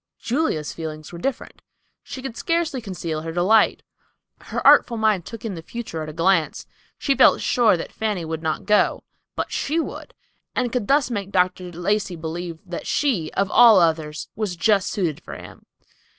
Julia's feelings were different. She could scarcely conceal her delight. Her artful mind took in the future at a glance. She felt sure that Fanny would not go; but she would, and could thus make Dr. Lacey believe that she, of all others, was just suited for him.